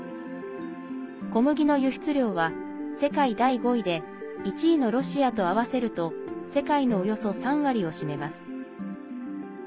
小麦の輸出量は世界第５位で１位のロシアと合わせると世界のおよそ３割を占めます。